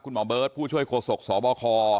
คุณหมอเบิ๊ศผู้ช่วยโครโศคสบค